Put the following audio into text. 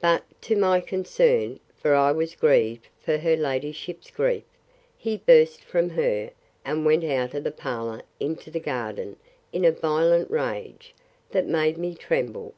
—But, to my concern, (for I was grieved for her ladyship's grief,) he burst from her; and went out of the parlour into the garden in a violent rage, that made me tremble.